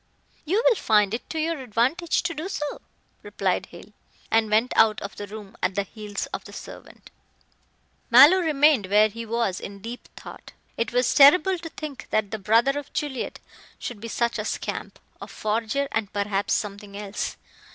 "You will find it to your advantage to do so," replied Hale, and went out of the room at the heels of the servant. Mallow remained where he was in deep thought. It was terrible to think that the brother of Juliet should be such a scamp. A forger and perhaps something else.